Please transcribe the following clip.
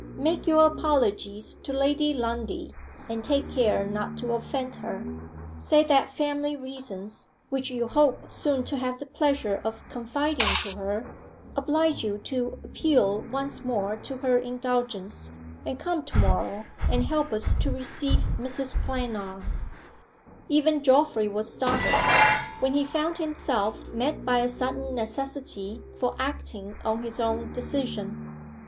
Make your apologies to Lady Lundie; and take care not to offend her. Say that family reasons, which you hope soon to have the pleasure of confiding to her, oblige you to appeal once more to her indulgence and come to morrow, and help us to receive Mrs. Glenarm." Even Geoffrey was startled, when he found himself met by a sudden necessity for acting on his own decision.